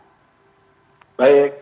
baik selamat siang